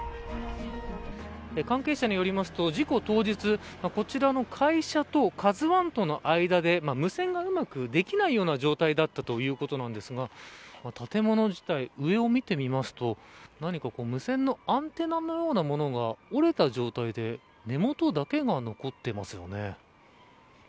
関係者によりますと、事故当日こちらの会社とＫＡＺＵ１との間で無線がうまくできないような状態だったということなんですが建物自体、上を見てみますと何か無線のアンテナのようなものが折れた状態で根元だけが残っていますよね。